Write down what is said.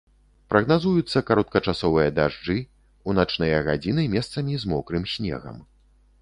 Прагназуюцца кароткачасовыя дажджы, у начныя гадзіны месцамі з мокрым снегам.